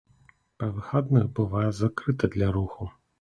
Па выхадных бывае закрыта для руху.